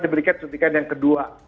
diberikan suntikan yang kedua